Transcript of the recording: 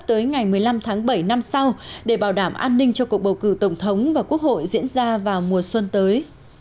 tới ngày một mươi năm tháng bảy năm sau để bảo đảm an ninh cho cuộc bầu cử tổng thống và quốc hội diễn ra vào mùa xuân tới